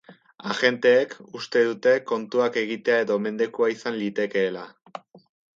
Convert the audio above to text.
Agenteek uste dute kontuak-egitea edo mendekua izan litekeela.